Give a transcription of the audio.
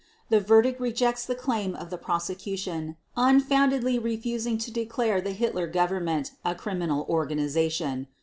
The verdict rejects the claim of the Prosecution, unfoundedly refusing to declare the Hitler Government a criminal organization.